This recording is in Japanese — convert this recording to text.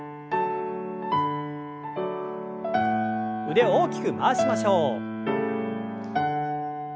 腕を大きく回しましょう。